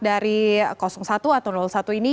dari satu atau satu ini